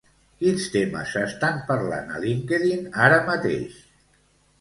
Quins temes s'estan parlant a LinkedIn ara mateix?